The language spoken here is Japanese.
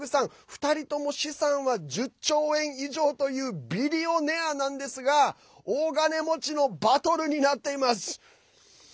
２人とも資産は１０兆円以上というビリオネアなんですが大金持ちのバトルになっています。